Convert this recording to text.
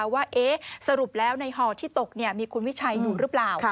ว่าสรุปแล้วในห่อที่ตกมีคุณวิชัยอยู่หรือเปล่า